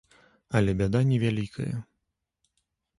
Але бяда не вялікая.